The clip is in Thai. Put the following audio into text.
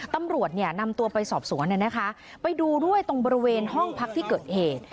ตำรวจเนี่ยนำตัวไปศอบสวนแหละนะคะไปดูด้วยตรงบริเวณห้องพักที่เกิดเหตุ